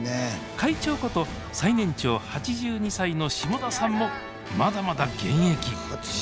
会長こと最年長８２歳の下田さんもまだまだ現役！